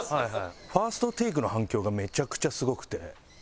「ＦＩＲＳＴＴＡＫＥ」の反響がめちゃくちゃすごくて。